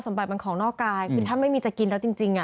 สมบัติมันของนอกกายคือถ้าไม่มีจะกินแล้วจริงอ่ะ